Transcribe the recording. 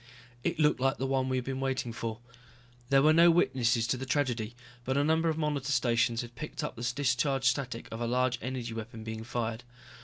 It looked like the one we had been waiting for. There were no witnesses to the tragedy, but a number of monitor stations had picked up the discharge static of a large energy weapon being fired.